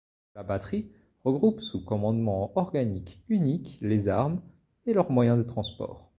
La batterie regroupe sous commandement organique unique les armes et leurs moyens de transport.